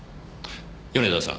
米沢さん。